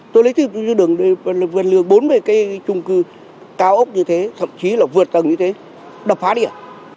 tôi lấy thêm đường vượt lường bốn mươi cái trung cư cao ốc như thế thậm chí là vượt tầng như thế đập phá đi ạ